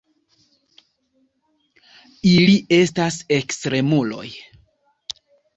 Ili estas ekstremuloj.